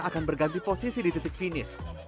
akan berganti posisi di titik finish